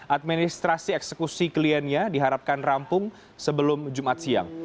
administrasi eksekusi kliennya diharapkan rampung sebelum jumat siang